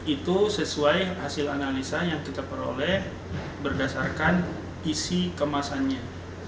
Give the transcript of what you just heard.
itu sesuai hasil analisa yang kita peroleh berdasarkan isi kemasannya